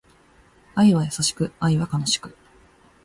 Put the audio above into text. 愛は優しく、愛は悲しく